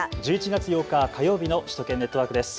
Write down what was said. １１月８日、火曜日の首都圏ネットワークです。